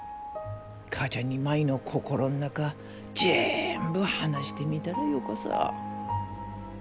母ちゃんに舞の心の中じぇんぶ話してみたらよかさ。